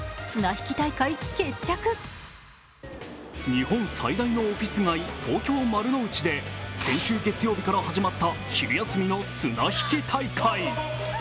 日本最大のオフィス街東京・丸の内で先週月曜日から始まった昼休みの綱引き大会。